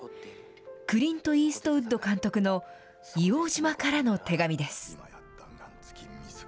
クリント・イーストウッド監督の、硫黄島からの手紙です。